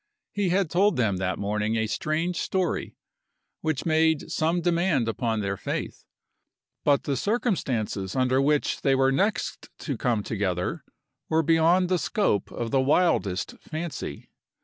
He had told them that morning a strange story, which made some demand upon their faith, but the circumstances under which they were next to come together were beyond the scope of the wildest fancy.